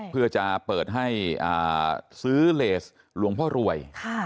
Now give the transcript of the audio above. เพื่อจะเปิดให้ซื้อเลสหลวงพ่อรวย